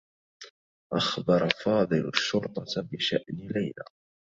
أخبر فاضل الشّرطة بشأن ليلى.